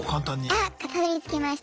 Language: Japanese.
あたどりつけました。